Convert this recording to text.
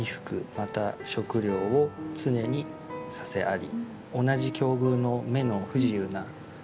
また食料を常にさせあり」。